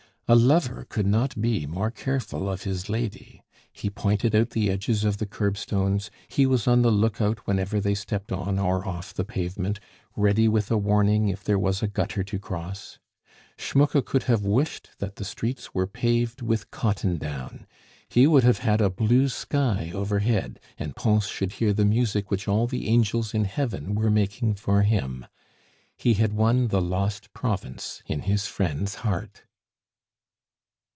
A lover could not be more careful of his lady. He pointed out the edges of the curbstones, he was on the lookout whenever they stepped on or off the pavement, ready with a warning if there was a gutter to cross. Schmucke could have wished that the streets were paved with cotton down; he would have had a blue sky overhead, and Pons should hear the music which all the angels in heaven were making for him. He had won the lost province in his friend's heart!